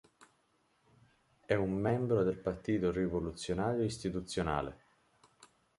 È un membro del Partito Rivoluzionario Istituzionale.